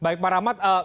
baik pak rahmat